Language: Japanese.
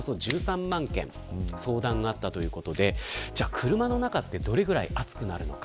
車の中ってどれぐらい暑くなるのか。